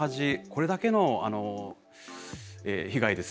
これだけの被害ですね